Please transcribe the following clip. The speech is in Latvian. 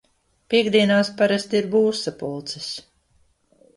Piektdienās parasti ir būvsapulces.